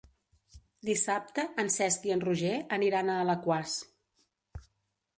Dissabte en Cesc i en Roger aniran a Alaquàs.